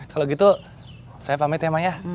kalau gitu saya pamit ya mak yah